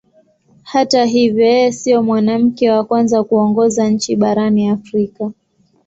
Hata hivyo yeye sio mwanamke wa kwanza kuongoza nchi barani Afrika.